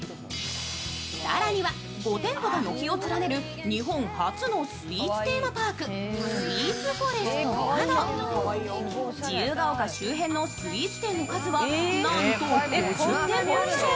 更には、５店舗が軒を連ねる日本初のスイーツテーマパークスイーツフォレストなど、自由が丘周辺のスイーツ店の数はおよそ５０店舗以上。